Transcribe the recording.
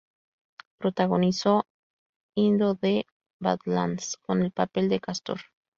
Protagonizó "Into the Badlands" con el papel de Castor.